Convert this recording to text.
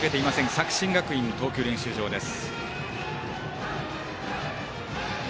作新学院の投球練習場です。